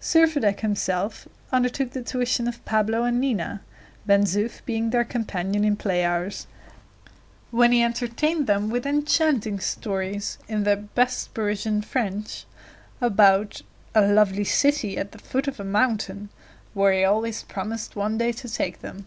Servadac himself undertook the tuition of Pablo and Nina, Ben Zoof being their companion in play hours, when he entertained them with enchanting stories in the best Parisian French, about "a lovely city at the foot of a mountain," where he always promised one day to take them.